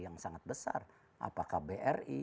yang sangat besar apakah bri